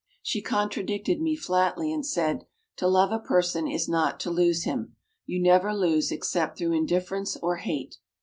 She contradicted me flatly and said, "To love a person is not to lose him you never lose except through indifference or hate!"